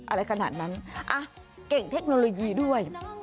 อะไรขนาดนั้นอ่ะเก่งเทคโนโลยีด้วย